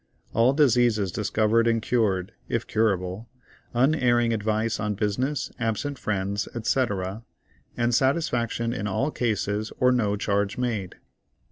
All diseases discovered and cured, if curable; unerring advice on business, absent friends, &c., and satisfaction in all cases, or no charge made."